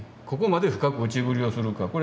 ここまで深く内刳りをするか。